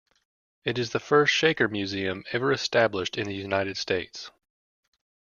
It is the first Shaker museum ever established in the United States.